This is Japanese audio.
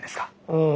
うん。